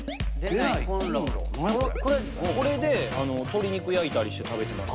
これで鶏肉焼いたりして食べてます。